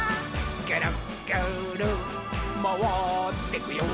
「ぐるぐるまわってくよ」